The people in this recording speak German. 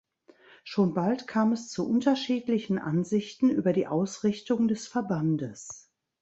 Schon bald kam es zu unterschiedlichen Ansichten über die Ausrichtung des Verbandes.